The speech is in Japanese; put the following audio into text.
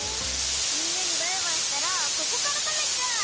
みんなにバイバイしたらここからたべちゃう！